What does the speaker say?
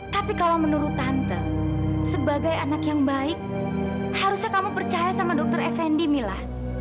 tapi kalau menurut tante sebagai anak yang baik harusnya kamu percaya sama dokter effendi mila